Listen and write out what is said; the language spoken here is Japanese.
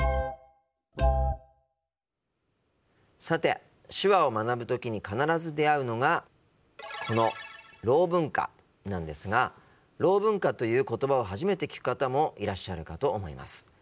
さて手話を学ぶ時に必ず出会うのがこのろう文化なんですがろう文化という言葉を初めて聞く方もいらっしゃるかと思います。